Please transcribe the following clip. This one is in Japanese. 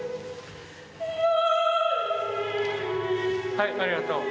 はいありがとう。